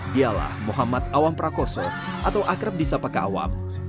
dialah muhammad awam prakoso atau akrab disapa ka awam